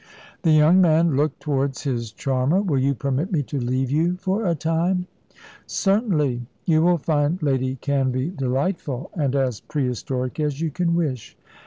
The young man looked towards his charmer. "Will you permit me to leave you for a time?" "Certainly. You will find Lady Canvey delightful, and as pre historic as you can wish.